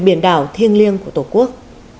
biển đảo thiêng liêng của tổ quốc